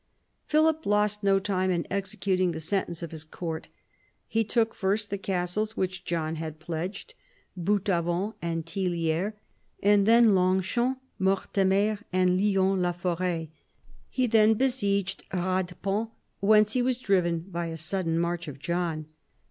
Philip lost no time in executing the sentence of his court. He took first the castles which John had pledged, Bouta vant and Tillieres, and then Longchamps, Mortemer, and Lyons la Foret. He then besieged Radepont, whence he was driven by a sudden march of John.